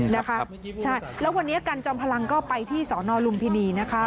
นะคะใช่แล้ววันนี้กันจอมพลังก็ไปที่สอนอลุมพินีนะคะ